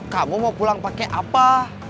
kamu mau pulang pakai apa